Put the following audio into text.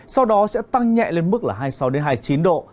sau đó sẽ tăng nhẹ lên mức là hai mươi sáu hai mươi chín độ